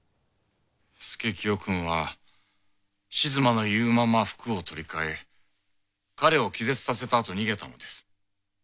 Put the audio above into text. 佐清くんは静馬の言うまま服を取り替え彼を気絶させたあと逃げたのです。